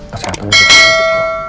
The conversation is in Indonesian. kesehatan lo juga